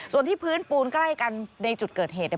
ส่วนที่พื้นปูนใกล้กันในจุดเกิดเหตุเนี่ย